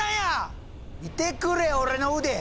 見てくれ俺の腕！